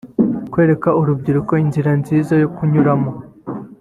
Kwereka urubyiruko inzira nziza yo kunyuramo